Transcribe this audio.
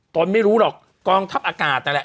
ไม่รู้หรอกกองทัพอากาศนั่นแหละ